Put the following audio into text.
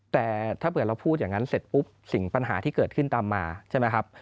แต่ถ้าเกิดเราพูดอย่างนั้นเสร็จปุ๊บสิ่งปัญหาที่เกิดขึ้นตามมาใช่ไหมครับ